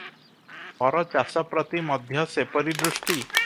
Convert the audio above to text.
ପର ଚାଷ ପ୍ରତି ମଧ୍ୟ ସେପରି ଦୃଷ୍ଟି ।